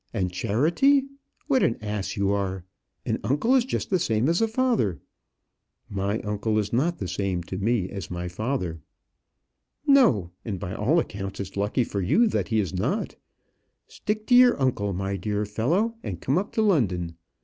and charity! What an ass you are! An uncle is just the same as a father." "My uncle is not the same to me as my father." "No; and by all accounts it's lucky for you that he is not. Stick to your uncle, my dear fellow, and come up to London.